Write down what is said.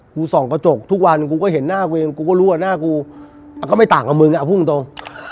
ส่องกระจกทุกวันกูก็เห็นหน้าเวรกูก็รู้ว่าหน้ากูก็ไม่ต่างกับมึงเอาพูดตรง